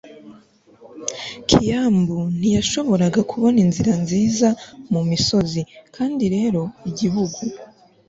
kiambu ntiyashoboraga kubona inzira nziza mumisozi. kandi rero igihugu